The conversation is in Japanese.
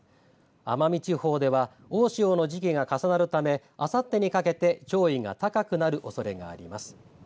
奄美地方では大潮の時期が重なるためあさってにかけて潮位が高くなるおそれがあります。